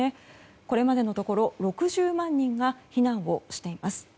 これまでのところ６０万人が避難をしています。